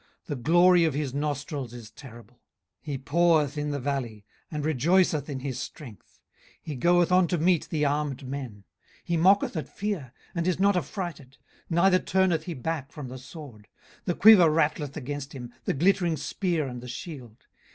the glory of his nostrils is terrible. 18:039:021 He paweth in the valley, and rejoiceth in his strength: he goeth on to meet the armed men. 18:039:022 He mocketh at fear, and is not affrighted; neither turneth he back from the sword. 18:039:023 The quiver rattleth against him, the glittering spear and the shield.